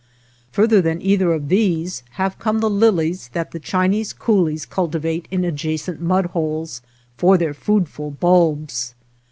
Farther than either of these have come the lilies that the Chinese coolies cultivate in adjacent mud holes for their foodful bulbs.